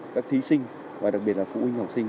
các thí sinh và đặc biệt là phụ huynh học sinh